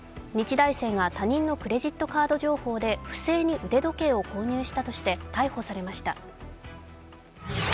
日大生が他人のクレジットカード情報で不正に腕時計を購入したとして逮捕されました。